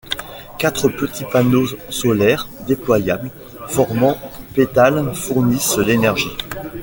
Quatre petits panneaux solaires déployables formant pétales fournissent l'énergie.